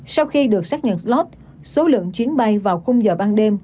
sau khi được xác nhận slot số lượng chuyến bay vào khung giờ ban đêm